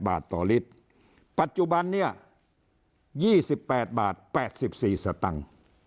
บาทต่อลิตรปัจจุบันเนี่ย๒๘บาท๘๔สตังค์